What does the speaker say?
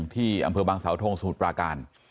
ที่อำเภอบังเสาธงสหุทธ์ประกัน